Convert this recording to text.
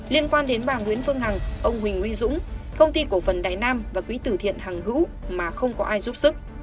liên quan đến bà nguyễn phương hằng ông huỳnh uy dũng công ty cổ phần đáy nam và quỹ tử thiện hằng hữu mà không có ai giúp sức